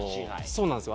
そうなんですよ。